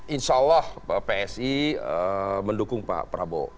insya allah psi mendukung pak prabowo